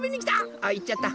あいっちゃった！